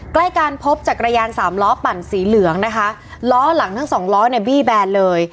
ใกล้กันพบจักรยานสามล้อปั่นสีเหลืองนะคะล้อหลังทั้งสองล้อเนี่ยบี้แบนเลย